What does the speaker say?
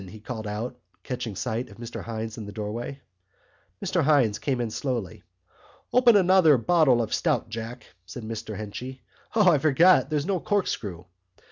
he called out, catching sight of Mr Hynes in the doorway. Mr Hynes came in slowly. "Open another bottle of stout, Jack," said Mr Henchy. "O, I forgot there's no corkscrew!